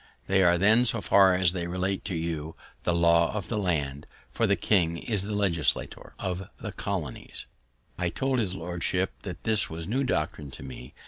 They are then, so far as they relate to you, the law of the land, for the king is the Legislator of the Colonies," I told his lordship this was new doctrine to me.